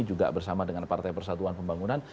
juga bersama dengan partai persatuan pembangunan